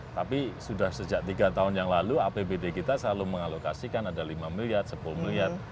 tapi sudah sejak tiga tahun yang lalu apbd kita selalu mengalokasikan ada lima miliar sepuluh miliar